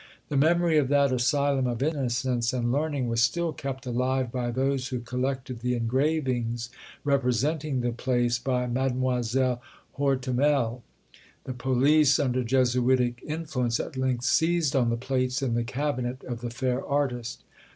The memory of that asylum of innocence and learning was still kept alive by those who collected the engravings representing the place by Mademoiselle Hortemels. The police, under Jesuitic influence, at length seized on the plates in the cabinet of the fair artist.